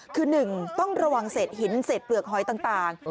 คือหนึ่งต้องระวังเสร็จหินเสร็จเปลือกหอยต่าง